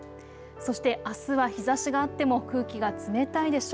そしてあすは日ざしがあっても空気が冷たいでしょう。